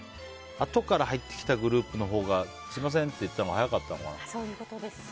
あとから入ってきたグループのほうがすみませんって言うのが早かったのかな。